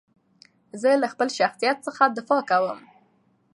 زه له خپل شخصیت څخه دفاع کوم.